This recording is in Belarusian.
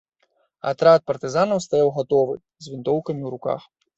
Атрад партызанаў стаяў гатовы, з вінтоўкамі ў руках.